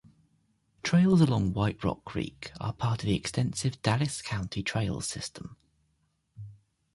Trails along White Rock Creek are part of the extensive Dallas County Trails System.